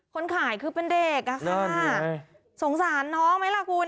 คนขายคือเป็นเด็กอะค่ะสงสารน้องไหมล่ะคุณ